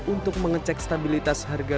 untuk mengecek stabilitas harga